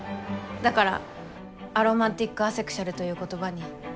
だからアロマンティックアセクシュアルという言葉に。